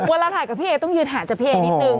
เวลาถ่ายกับพี่เนี่ยต้องยืนหาดจากพี่เนี่ยนิดหนึ่ง